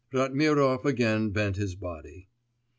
Ratmirov again bent his body.